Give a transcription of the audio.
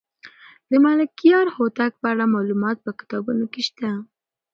د ملکیار هوتک په اړه معلومات په کتابونو کې شته.